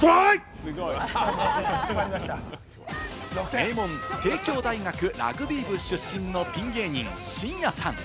名門・帝京大学ラグビー部出身のピン芸人、しんやさん。